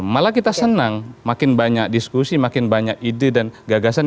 malah kita senang makin banyak diskusi makin banyak ide dan gagasan